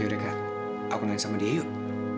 yaudah kak aku nangis sama dia yuk